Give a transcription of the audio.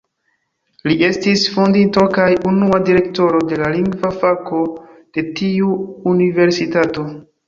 Li estis fondinto kaj unua Direktoro de la Lingva Fako de tiu universitato.